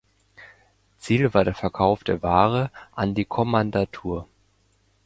Ziel war der Verkauf der Ware an die Kommandantur.